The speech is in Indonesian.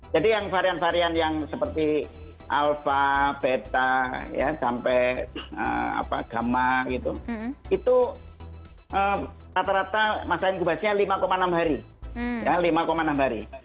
jadi yang varian varian yang seperti alfa beta ya sampai gamma gitu itu rata rata masa inkubasinya lima enam hari